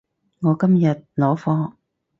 我今日攞貨